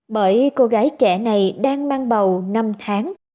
bởi cô gái trẻ này đang mang bầu năm tháng